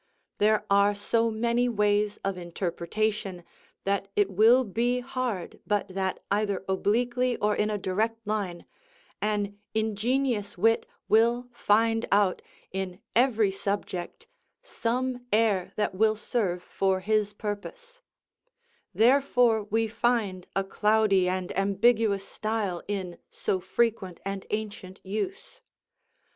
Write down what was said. There are so many ways of interpretation that it will be hard but that, either obliquely or in a direct line, an ingenious wit will find out, in every subject, some air that will serve for his purpose; therefore we find a cloudy and ambiguous style in so frequent and ancient use.